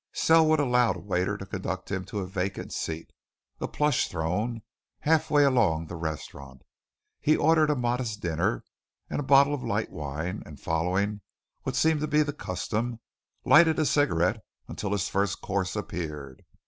Selwood allowed a waiter to conduct him to a vacant seat a plush throne half way along the restaurant. He ordered a modest dinner and a bottle of light wine, and following what seemed to be the custom, lighted a cigarette until his first course appeared.